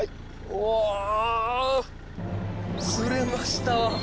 おあ釣れました。